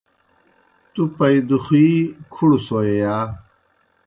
تُوْ پائدُخِی کُھڑوْ سوئے یا؟